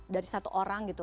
dari satu orang gitu